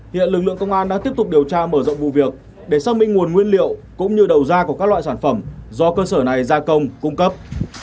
hiện lực lượng công an đang tiếp tục điều tra mở rộng vụ việc để xác minh nguồn nguyên liệu cũng như đầu ra của các loại sản phẩm do cơ sở này gia công cung cấp